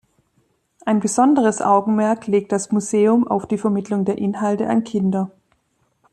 Ein besonderes Augenmerk legt das Museum auf die Vermittlung der Inhalte an Kinder.